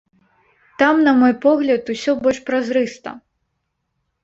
Там, на мой погляд, усё больш празрыста.